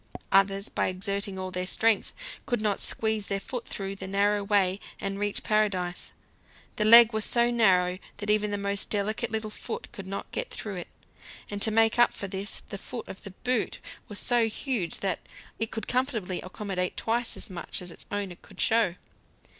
Others, by exerting all their strength, could not squeeze their foot through the narrow way and reach paradise. The leg was so narrow that even the most delicate little foot could not get through it, and to make up for this the foot of the boot was so huge that it could comfortably accommodate twice as much as its owner could show.